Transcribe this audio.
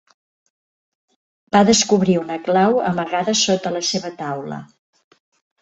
Va descobrir una clau amagada sota la seva taula.